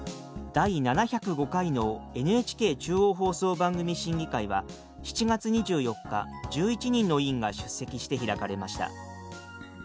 第７０５回のＮＨＫ中央放送番組審議会は７月２４日１１人の委員が出席して開かれました。